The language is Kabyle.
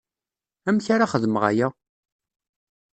Amek ara xedmeɣ aya?